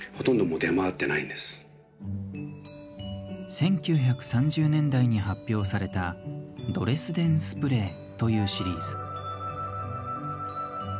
１９３０年代に発表されたドレスデン・スプレーというシリーズ。